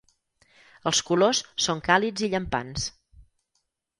Els colors són càlids i llampants.